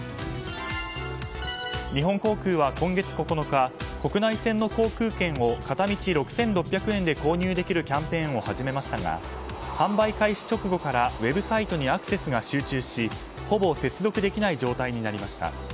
日本航空は今月９日国内線の航空券を片道６６００円で購入できるキャンペーンを始めましたが販売開始直後からウェブサイトにアクセスが集中しほぼ接続できない状態になりました。